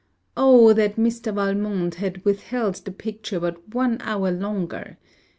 Oh, that Mr. Valmont had withheld the picture but one hour longer!